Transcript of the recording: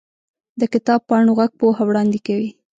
د کتاب پاڼو ږغ پوهه وړاندې کوي.